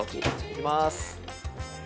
いきます。